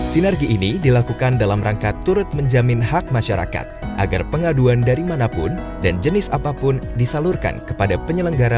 sinergi ini dilakukan dalam rangka turut menjamin hak masyarakat agar pengaduan dari manapun dan jenis apapun disalurkan kepada penyelenggara